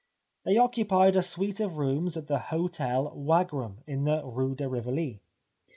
They occupied a suite of rooms at the Hotel Wagram in the rue de Rivoli.